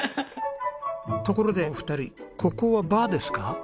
ところでお二人ここはバーですか？